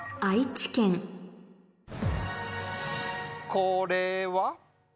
これは？